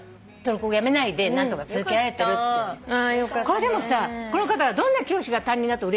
これでもさこの方は「どんな教師が担任だとうれしいでしょうか？」